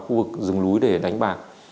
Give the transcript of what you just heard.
khu vực rừng lúi để đánh bạc